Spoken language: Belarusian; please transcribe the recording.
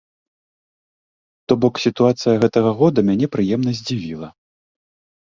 То бок, сітуацыя гэтага года мяне прыемна здзівіла.